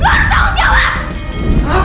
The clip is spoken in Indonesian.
lo harus tanggung jawab